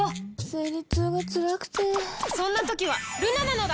生理痛がつらくてそんな時はルナなのだ！